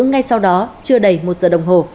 ngay sau đó chưa đầy một giờ đồng hồ